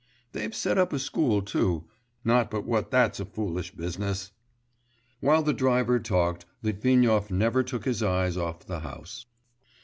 They've set up a school too.... Not but what that's a foolish business!' While the driver talked, Litvinov never took his eyes off the house....